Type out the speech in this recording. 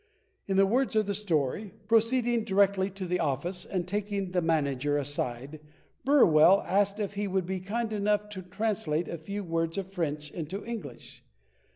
In the words of the story: Proceeding directly to the office and taking the manager aside, Burwell asked if he would be kind enough to translate a few words of French into English.